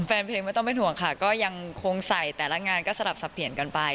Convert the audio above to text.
แฟนเพลงไม่ต้องเป็นห่วงค่ะก็ยังคงใส่แต่ละงานก็สลับสับเปลี่ยนกันไป